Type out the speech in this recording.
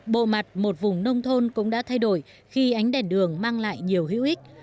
bộ mặt một vùng nông thôn cũng đã thay đổi khi ánh đèn đường mang lại nhiều hữu ích